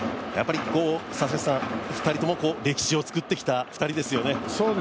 ２人とも歴史を作ってきた２人ですよね。